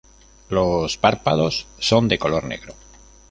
Los párpados son de color negro.